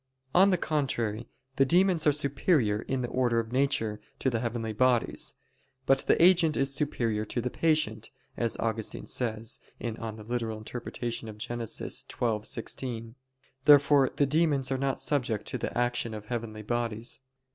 On the contrary, The demons are superior in the order of nature, to the heavenly bodies. But the "agent is superior to the patient," as Augustine says (Gen. ad lit. xii, 16). Therefore the demons are not subject to the action of heavenly bodies.